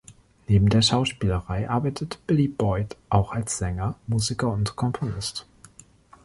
Neben der Schauspielerei arbeitet Billy Boyd auch als Sänger, Musiker und Komponist.